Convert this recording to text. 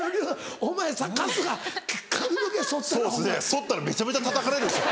そったらめちゃめちゃたたかれるんでしょ。